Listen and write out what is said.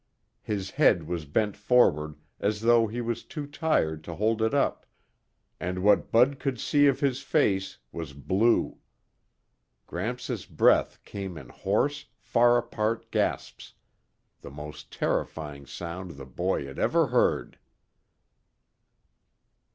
His head was bent forward as though he was too tired to hold it up, and what Bud could see of his face was blue. Gramps' breath came in hoarse, far apart gasps the most terrifying sound the boy had ever heard.